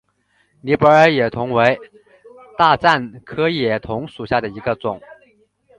尼泊尔野桐为大戟科野桐属下的一个种。